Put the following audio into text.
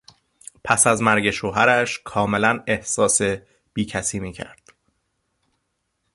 پس از مرگ شوهرش کاملا احساس بیکسی میکرد.